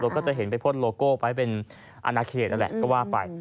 ก็จะเห็นไปพ่นโลโก้ไปเป็นอนาเขตนั่นแหละก็ว่าไป